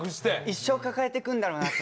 一生抱えてくんだろうなって。